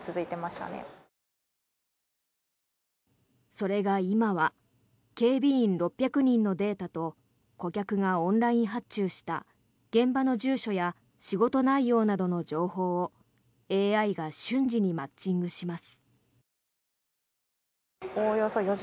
それが今は警備員６００人のデータと顧客がオンライン発注した現場の住所や仕事内容などの情報をＡＩが瞬時にマッチングします。